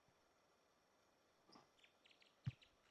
Ammo man pulni olib, u birodarga jo‘natib yuborganman.